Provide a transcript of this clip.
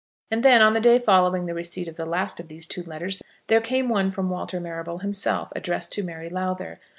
And then, on the day following the receipt of the last of these two letters, there came one from Walter Marrable himself, addressed to Mary Lowther.